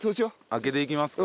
開けていきますか。